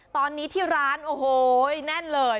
ตอนนี้ที่ร้านโอ้โหแน่นเลย